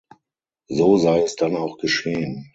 So sei es dann auch geschehen.